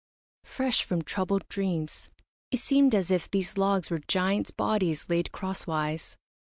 Fresh from troubled dreams, it seemed as if these logs were giants' bodies laid crosswise.